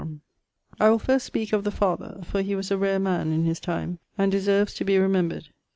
I will first speake of the father, for he was a rare man in his time, and deserves to be remembred.